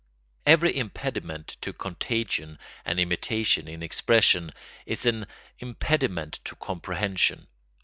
Every impediment to contagion and imitation in expression is an impediment to comprehension.